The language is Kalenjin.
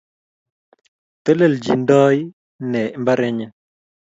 Teleltochindoi née mbarenyii?